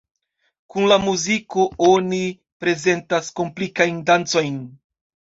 Kun la muziko oni prezentas komplikajn dancojn.